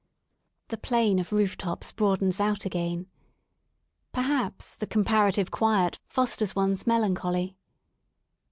The plain of roof tops broadensout again. Perhaps the comparative quiet fosters one's melancholy.